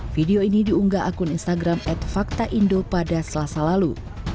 video ini diunggah akun instagram at fakta indo pada selasa lalu